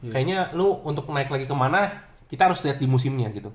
kayaknya lu untuk naik lagi kemana kita harus lihat di musimnya gitu